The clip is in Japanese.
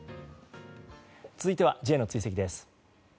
続いてはＪの追跡です。